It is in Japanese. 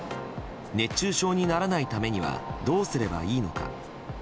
熱中症にならないためにはどうすればいいのか。